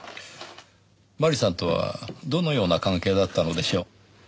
麻里さんとはどのような関係だったのでしょう？